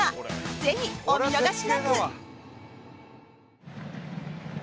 ぜひお見逃しなく！